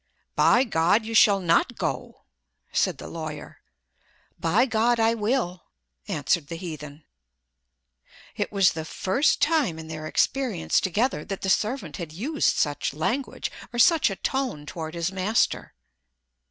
"By God, you shall not go!" said the lawyer. "By God, I will!" answered the heathen. It was the first time in their experience together that the servant had used such language, or such a tone, toward his master.